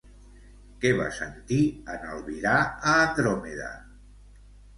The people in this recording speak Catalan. Què va sentir en albirar a Andròmeda?